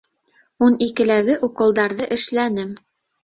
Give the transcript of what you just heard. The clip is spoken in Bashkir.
Ун икеләге уколдарҙы эшләнем.